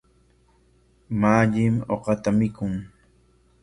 Mallim uqata mikun.